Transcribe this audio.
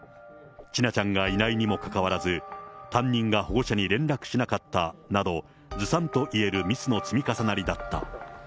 千奈ちゃんがいないにもかかわらず、担任が保護者に連絡しなかったなど、ずさんといえるミスの積み重なりだった。